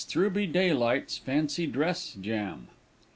THROUGHBY DAYLIGHT'S FANCY DRESS JAM.